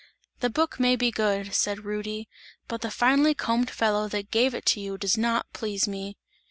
"The book may be good," said Rudy, "but the finely combed fellow that gave it to you does not please me!"